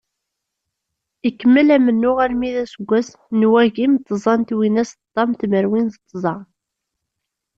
Ikemmel amennuɣ armi d aseggas n wagim d tẓa twinas d ṭam tmerwin d tẓa.